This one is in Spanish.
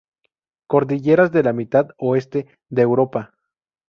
Cordilleras de la mitad oeste de Europa.